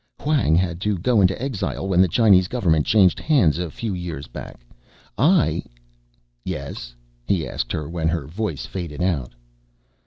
"Hwang had to go into exile when the Chinese government changed hands a few years back. I " "Yes?" he asked when her voice faded out.